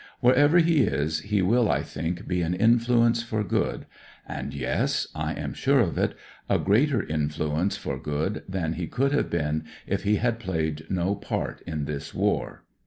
Wherever he is, he will, I think, be an influence for good; and — ^yes, I am sui'e of it — a greater influence for good than he could have been if he had played no part in this war.